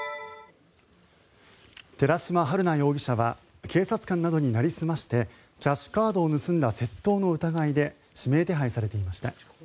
寺島春奈容疑者は警察官などになりすましてキャッシュカードを盗んだ窃盗の疑いで指名手配されていました。